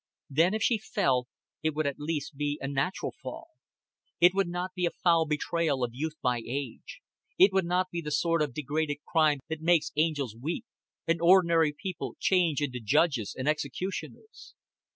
Then if she fell, it would at least be a natural fall. It would not be a foul betrayal of youth by age; it would not be the sort of degraded crime that makes angels weep, and ordinary people change into judges and executioners.